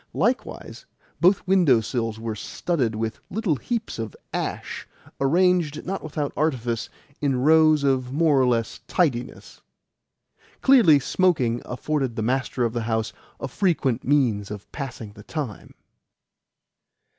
Likewise, both window sills were studded with little heaps of ash, arranged, not without artifice, in rows of more or less tidiness. Clearly smoking afforded the master of the house a frequent means of passing the time.